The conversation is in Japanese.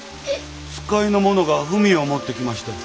使いの者が文を持ってきまして。